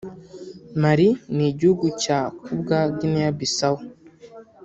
Mali n’igihugu cya Ku bwa Guinea-Bissau